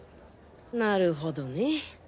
なるほどね。